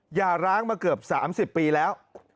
หย่าร้างมาเกือบสามสิบปีแล้ว